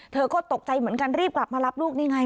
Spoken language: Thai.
เธอก็ตกใจเหมือนกันรีบกลับมารับลูกนี่ไง